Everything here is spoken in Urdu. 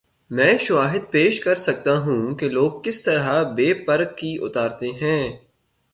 میں شواہد پیش کر سکتا ہوں کہ لوگ کس طرح بے پر کی اڑاتے ہیں۔